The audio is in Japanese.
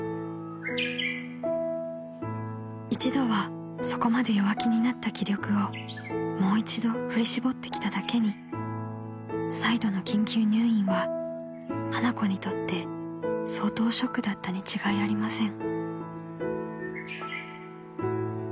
［一度はそこまで弱気になった気力をもう一度振り絞ってきただけに再度の緊急入院は花子にとって相当ショックだったに違いありません］